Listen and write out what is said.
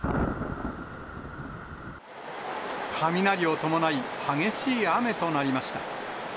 雷を伴い、激しい雨となりました。